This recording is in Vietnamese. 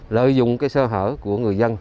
lợi dụng sơ hở của người dân